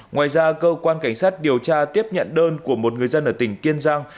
ngoài ra cơ quan cảnh sát điều tra tiếp nhận đơn của một người dân ở tỉnh kiên giang